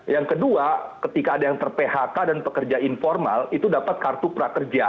yang kedua ketika ada yang ter phk dan pekerja informal itu dapat kartu prakerja